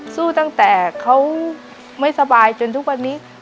สู้ตั้งแต่เขาไม่สบายจนทุกวันนี้